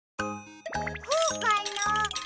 こうかな？